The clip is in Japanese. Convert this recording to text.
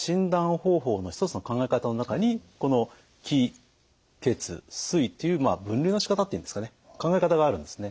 方法の一つの考え方の中にこの気・血・水という分類のしかたっていうんですかね考え方があるんですね。